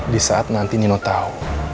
di saat nanti nino tahu